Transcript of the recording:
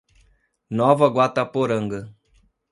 Nova Guataporanga